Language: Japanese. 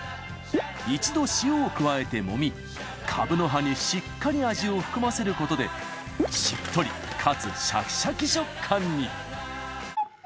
一度塩を加えて揉みカブの葉にしっかり味を含ませることでしっとりかつシャキシャキ食感に！